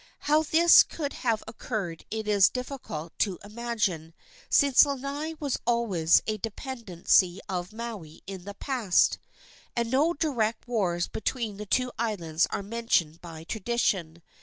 How this could have occurred it is difficult to imagine, since Lanai was always a dependency of Maui in the past, and no direct wars between the two islands are mentioned by tradition.